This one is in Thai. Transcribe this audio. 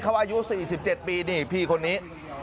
เขาอายุ๔๗ปีนี่พี่คนนี้